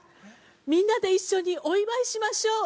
◆みんなで一緒に、お祝いしましょう。